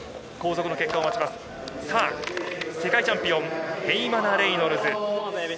世界チャンピオン、ヘイマナ・レイノルズ。